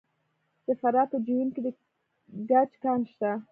د فراه په جوین کې د ګچ کان شته.